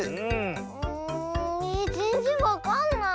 うんえぜんぜんわかんない。